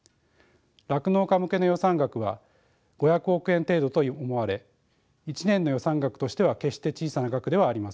酪農家向けの予算額は５００億円程度と思われ１年の予算額としては決して小さな額ではありません。